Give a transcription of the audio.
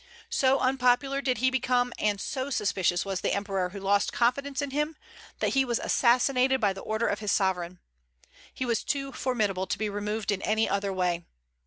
So unpopular did he become, and so suspicious was the Emperor, who lost confidence in him, that he was assassinated by the order of his sovereign. He was too formidable to be removed in any other way.